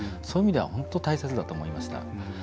そういう意味では本当、大切だと思いました。